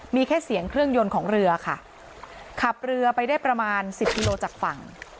มีแค่เสียงเครื่องยนต์ของเรือค่ะขับเรือไปได้ประมาณสิบกิโลจากฝั่ง